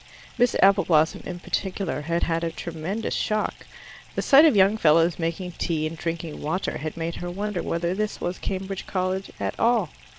Miss Appleblossom in particular had had a tremendous shock. The sight of young fellows making tea and drinking water had made her wonder whether this was Cambridge College at all.